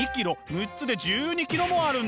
６つで１２ｋｇもあるんです。